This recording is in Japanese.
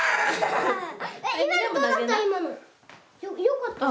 よかった？